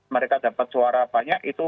mereka dapat suara banyak itu